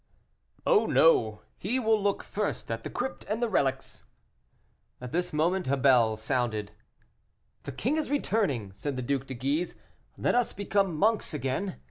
"Oh no! he will look first at the crypt and the relics." At this moment a bell sounded. "The king is returning," said the Duc de Guise; "let us become monks again."